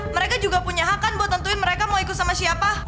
mereka juga punya hak kan buat nentuin mereka mau ikut sama siapa